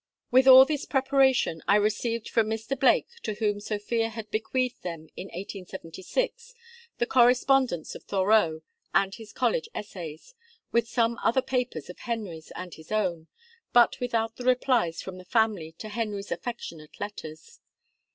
With all this preparation, I received from Mr. Blake, to whom Sophia had bequeathed them in 1876, the correspondence of Thoreau and his college essays, with some other papers of Henry's and his own, but without the replies from the family to Henry's affectionate letters.